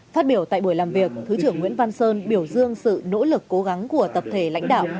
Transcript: phát biểu tại buổi làm việc thứ trưởng nguyễn văn sơn biểu dương sự nỗ lực cố gắng của tập thể lãnh đạo